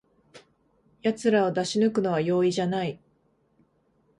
やつらを出し抜くのは容易じゃない